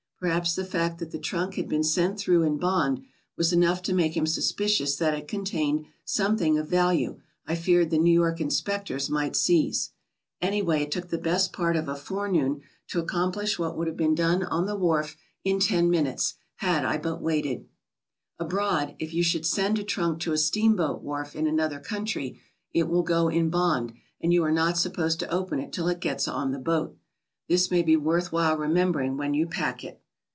Per haps the fact that the trunk had been sent through in bond was enough to make him suspicious that it contained some thing of value I feared the New York inspectors might seize. Anyway, it took the best part of a forenoon to ac SOMEWHAT FINANCIAL. >95 complish what would have been done on the wharf in ten minutes had I but waited. Abroad, if you s^hculd send a trunk to a steamboat wharf in aniother country, it will go in bond and you are not sup posed to open it till it gets on the boat. This may be worth while remembering when you pack it.